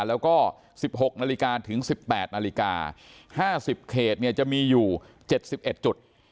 แล้วก็๑๖นาฬิกาถึง๑๘นาฬิกา๕๐เขตจะมีอยู่๗๑จุด